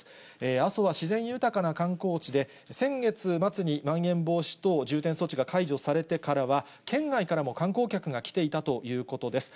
阿蘇は自然豊かな観光地で、先月末にまん延防止等重点措置が解除されてからは、県外からも観光客が来ていたということです。